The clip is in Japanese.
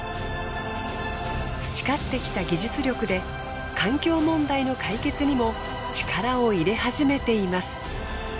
培ってきた技術力で環境問題の解決にも力を入れ始めています。